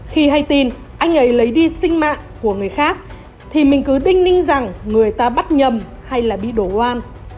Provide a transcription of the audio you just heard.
khi hay tin anh ấy lấy đi sinh mạng của người khác thì mình cứ binh rằng người ta bắt nhầm hay là bị đổ oan